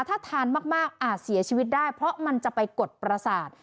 ถ้าทานมากอาจเสียชีวิตได้เพราะมันจะไปกดประสาท